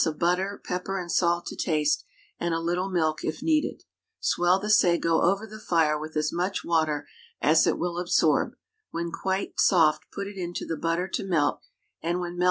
of butter, pepper and salt to taste, and a little milk if needed. Swell the sago over the fire with as much water as it will absorb; when quite soft put into it the butter to melt, and, when melted, mix in the oatmeal and wheatmeal.